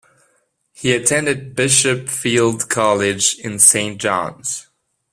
He attended Bishop Feild College in Saint John's.